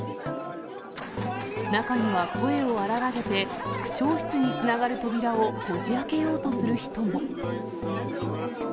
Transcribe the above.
中には声を荒らげて、区長室につながる扉をこじあけようとする人も。